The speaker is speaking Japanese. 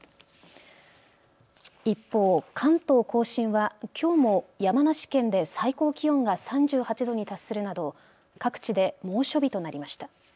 一方、関東甲信はきょうも山梨県で最高気温が３８度に達するなど各地で猛暑日となりました。